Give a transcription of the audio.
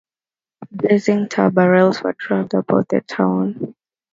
Blazing tar-barrels were dragged about the town.